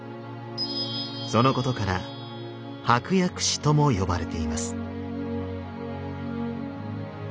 そのことから「箔薬師」とも呼ばれています。